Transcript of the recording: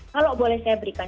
kalau boleh saya berikan